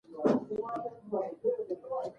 که شاهانو غم کړی وای، نو تاریخ به یې ورک نه وای.